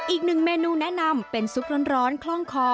อีกหนึ่งเมนูแนะนำเป็นซุปร้อนคล่องคอ